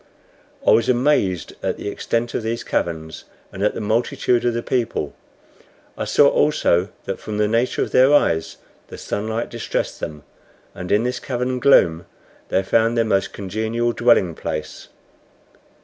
I was amazed at the extent of these caverns, and at the multitude of the people. I saw also that from the nature of their eyes the sunlight distressed them, and in this cavern gloom they found their most congenial dwelling place.